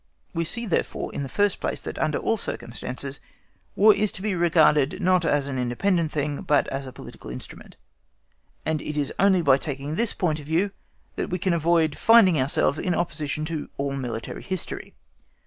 We see, therefore, in the first place, that under all circumstances War is to be regarded not as an independent thing, but as a political instrument; and it is only by taking this point of view that we can avoid finding ourselves in opposition to all military history.